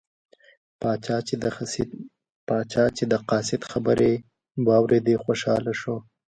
پاچا چې د قاصد خبرې واوریدې خوشحاله شو.